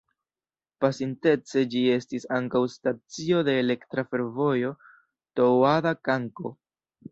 Pasintece ĝi estis ankaŭ stacio de Elektra Fervojo Toŭada-Kanko.